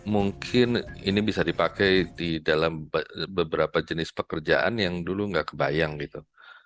mungkin ini bisa dipakai di dalam beberapa jenis pekerjaan yang dulu nggak kebayang gitu